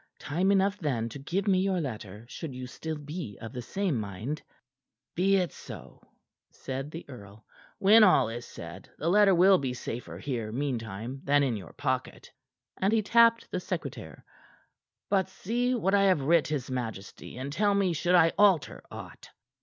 Time enough then to give me your letter should you still be of the same mind." "Be it so," said the earl. "When all is said, the letter will be safer here, meantime, than in your pocket." And he tapped the secretaire. "But see what I have writ his majesty, and tell me should I alter aught."